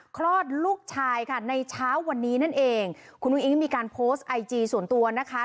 คลอดลูกชายค่ะในเช้าวันนี้นั่นเองคุณอุ้งมีการโพสต์ไอจีส่วนตัวนะคะ